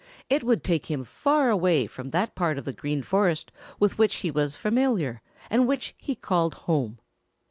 It would take him far away from that part of the Green Forest with which he was familiar and which he called home.